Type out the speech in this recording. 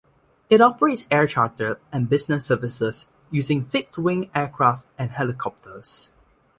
It operates air charter and business services, using fixed-wing aircraft and helicopters.